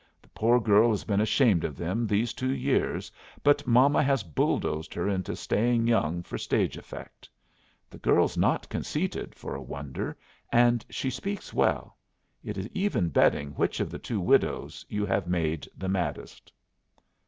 The poor girl has been ashamed of them these two years, but momma has bulldozed her into staying young for stage effect. The girl's not conceited, for a wonder, and she speaks well. It is even betting which of the two widows you have made the maddest."